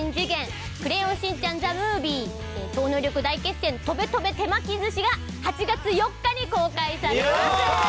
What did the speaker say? ＴＨＥＭＯＶＩＥ超能力大決戦とべとべ手巻き寿司』が８月４日に公開されます！